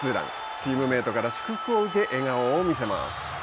チームメートから祝福を受け笑顔を見せます。